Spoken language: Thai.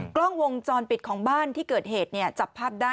กล้องวงจรปิดของบ้านที่เกิดเหตุจับพัดได้